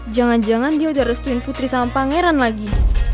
jangan jangan dia udah restuin putri sama pangeran lagi